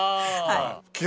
はい。